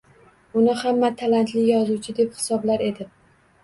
Uni hamma talantli yozuvchi deb hisoblar edi.